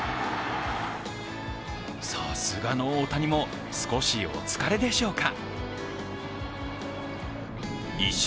さすがの大谷も少しお疲れでしょうか。